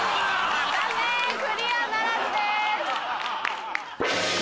残念クリアならずです。